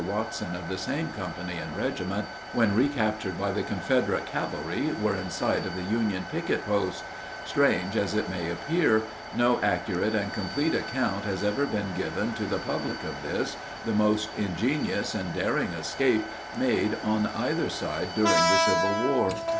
Watson of the same company and regiment when recaptured by the Confederate cavalry were in sight of the Union picket posts. Strange as it may appear, no accurate and complete account has ever been given to the public of this, the most ingenious and daring escape made on either side during the civil war.